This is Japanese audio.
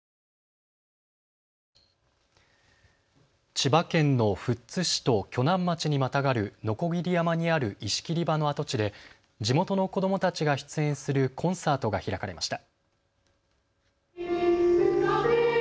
千葉県の富津市と鋸南町にまたがる鋸山にある石切り場の跡地で地元の子どもたちが出演するコンサートが開かれました。